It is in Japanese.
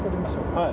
はい。